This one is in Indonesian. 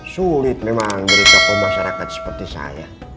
sulit memang beritahu masyarakat seperti saya